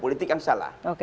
politik yang salah